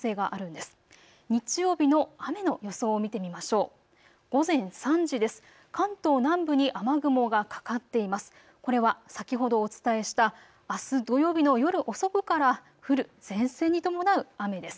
これは先ほどお伝えしたあす土曜日の夜遅くから降る前線に伴う雨です。